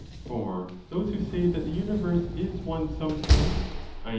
For those who say that the universe is one something (i.